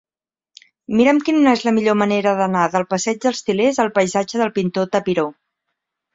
Mira'm quina és la millor manera d'anar del passeig dels Til·lers al passatge del Pintor Tapiró.